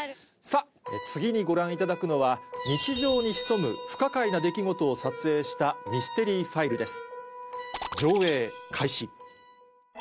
さぁ次にご覧いただくのは日常に潜む不可解な出来事を撮影したミステリーファイルです。